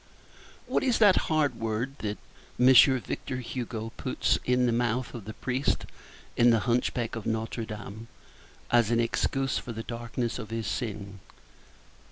What is that hard word which M. Victor Hugo puts into the mouth of the priest in The Hunchback of Notre Dame as an excuse for the darkness of his sin?